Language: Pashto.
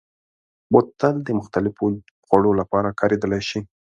بوتل د مختلفو خوړو لپاره کارېدلی شي.